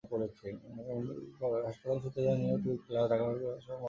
হাসপাতাল সূত্র জানায়, নিহত ব্যক্তির লাশ ঢাকা মেডিকেল কলেজের মর্গে রাখা হয়েছে।